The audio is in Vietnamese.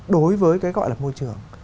đối với cái gọi là môi trường